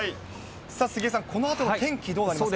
さあ、杉江さん、このあとの天気どうなりますか？